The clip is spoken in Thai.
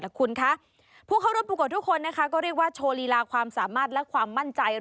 แต่คุณคะผู้เข้าร่วมประกวดทุกคนนะคะก็เรียกว่าโชว์ลีลาความสามารถและความมั่นใจ